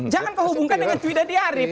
jangan kehubungkan dengan tweet andi harip